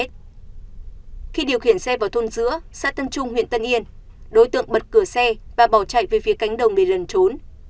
khi điều khiển xe vào thôn giữa xã tân trung huyện tân yên đối tượng bật cửa xe và bỏ chạy về phía cánh đồng để lần trốn